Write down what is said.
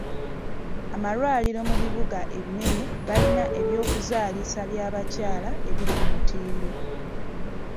Amalwaliro mu bibuga ebinene galina eby'okuzaalisa by'abakyala ebiri ku mutindo.